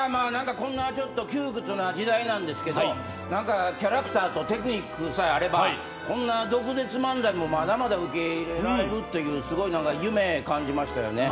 こんなちょっと窮屈な時代なんですけどキャラクターとテクニックさえあればこんな毒舌漫才もまだまだ受け入れられるというすごい夢を感じましたよね。